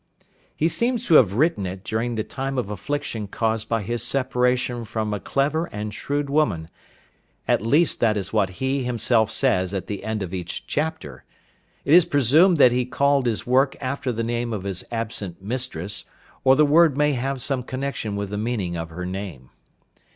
He seems to have written it during the time of affliction caused by his separation from a clever and shrewd woman, at least that is what he himself says at the end of each chapter. It is presumed that he called his work after the name of his absent mistress, or the word may have some connection with the meaning of her name.